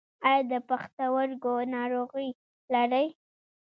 ایا د پښتورګو ناروغي لرئ؟